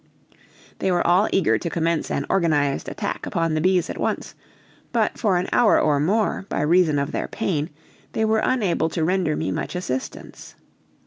They were all eager to commence an organized attack upon the bees at once, but for an hour or more, by reason of their pain, they were unable to render me much assistance.